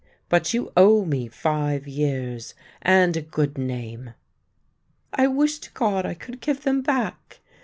" But you owe me five years — and a good name." " I wish to God I could give them back